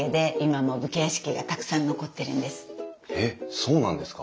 えっそうなんですか？